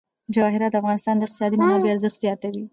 جواهرات د افغانستان د اقتصادي منابعو ارزښت زیاتوي.